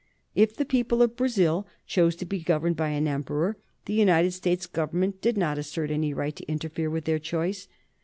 If the people of Brazil chose to be governed by an emperor, the United States Government did not assert any right to interfere with their choice.